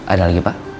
ada lagi pak